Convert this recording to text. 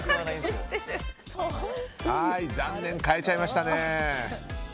残念、変えちゃいましたね。